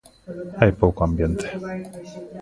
Hai pouco ambiente.